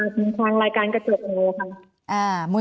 แอนตาซินเยลโรคกระเพาะอาหารท้องอืดจุกเสียดแสบร้อน